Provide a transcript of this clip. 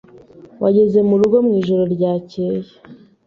Wageze murugo mwijoro ryakeye.